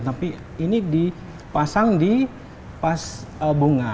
tapi ini dipasang di pas bunga